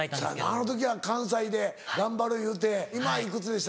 あの時は関西で頑張るいうて今いくつでしたっけ？